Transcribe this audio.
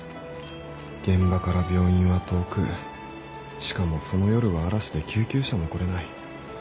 現場から病院は遠くしかもその夜は嵐で救急車も来れない。